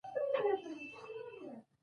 د ژمي په موسم کي د ماشومانو ساتنه وکړئ